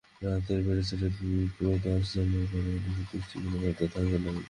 রাত বেড়ে চলল, বিপ্রদাস জানালার বাইরে অনিমেষ দৃষ্টি মেলে ভাবতে লাগল।